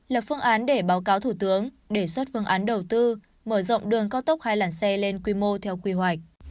lập phương án để báo cáo thủ tướng đề xuất phương án đầu tư mở rộng đường cao tốc hai làn xe lên quy mô theo quy hoạch